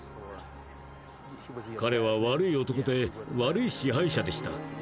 彼は悪い男で悪い支配者でした。